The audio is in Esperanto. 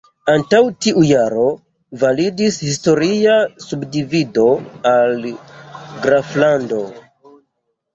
Antaŭ tiu jaro validis historia subdivido al "graflandoj".